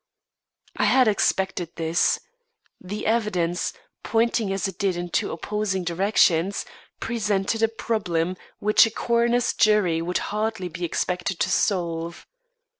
I had expected this. The evidence, pointing as it did in two opposing directions, presented a problem which a coroner's jury could hardly be expected to solve.